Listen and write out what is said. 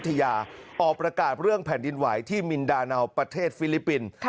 ออกประกาศเรื่องแผ่นดินไหวที่มินดาเนาประเทศฟิลิปปินส์